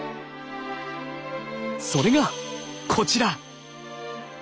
それがこちら。